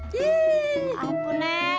ya ampun nek